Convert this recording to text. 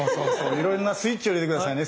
いろんなスイッチを入れて下さいね。